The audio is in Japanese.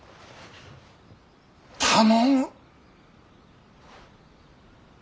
頼む。